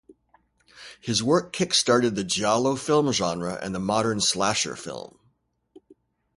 His work kick-started the giallo film genre and the modern "slasher film".